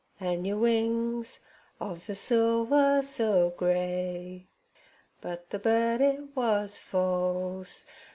An' yer wings of the silver so grey. "But the bird it was false.